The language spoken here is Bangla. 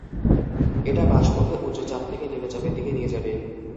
এটা বাষ্পকে উচ্চ চাপ থেকে নিম্ন চাপের দিকে নিয়ে যাবে।